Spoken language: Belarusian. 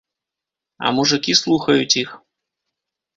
А мужыкі слухаюць іх.